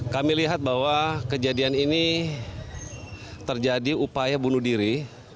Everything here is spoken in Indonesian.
kami lihat bahwa kejadian ini terjadi upaya bunuh diri